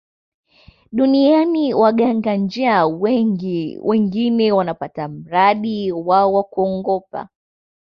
Duniani waganga njaa wengi wengine wanapata mradi wao kwa kuongopa